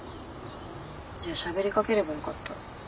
じゃあしゃべりかければよかった。